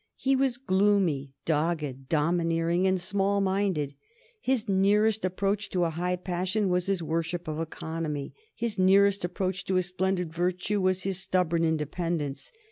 He was gloomy, dogged, domineering, and small minded. His nearest approach to a high passion was his worship of economy; his nearest approach to a splendid virtue was his stubborn independence.